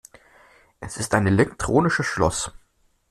Es ist ein elektronisches Schloss.